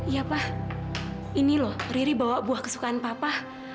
iya pak ini lho riri bawa buah kesukaan papa